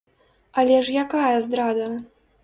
Але ж якая здрада?